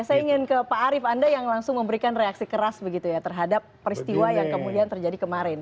saya ingin ke pak arief anda yang langsung memberikan reaksi keras begitu ya terhadap peristiwa yang kemudian terjadi kemarin